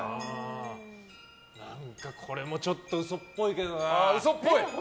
何かこれもちょっと嘘っぽいけどな。